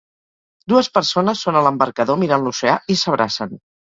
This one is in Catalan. Dues persones són a l'embarcador mirant l'oceà i s'abracen